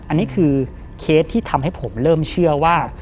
อันนี้คือเคสที่ทำให้ผมเริ่มเชื่อว่า